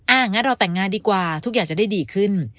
งั้นเราแต่งงานดีกว่าทุกอย่างจะได้ดีขึ้น